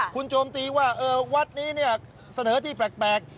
คุณโจมตีว่าวัดนี้เนี่ยเสนอที่แปลก